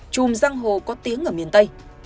trùm giang hồ có tiếng ở miền tây